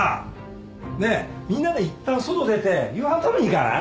ねえみんなでいったん外出て夕飯食べに行かない？